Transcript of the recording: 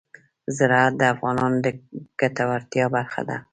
زراعت د افغانانو د ګټورتیا برخه ده.